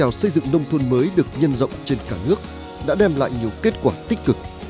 vào xây dựng nông thôn mới được nhân rộng trên cả nước đã đem lại nhiều kết quả tích cực